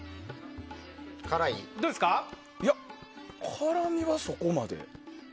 辛味はそこまで。